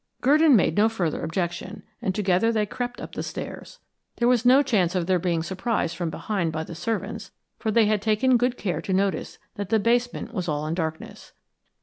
Gurdon made no further objection, and together they crept up the stairs. There was no chance of their being surprised from behind by the servants, for they had taken good care to notice that the basement was all in darkness.